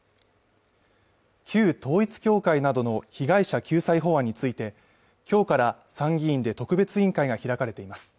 旧統一教会などの被害者救済法について今日から参議院で特別委員会が開かれています